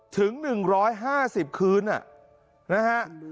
ถึง๑๕๐คืนนะฮะ